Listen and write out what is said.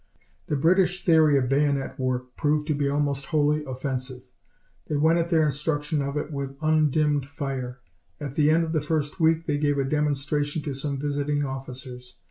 The British theory of bayonet work proved to be almost wholly offensive. They went at their instruction of it with undimmed fire. At the end of the first week, they gave a demonstration to some visiting officers.